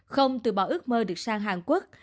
không từ bỏ ước mơ được sang hàn quốc